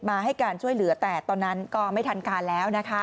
ให้การช่วยเหลือแต่ตอนนั้นก็ไม่ทันการแล้วนะคะ